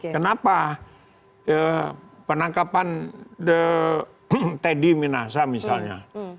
kenapa penangkapan teddy minahasa misalnya